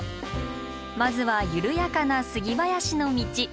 まずは緩やかな杉林の道。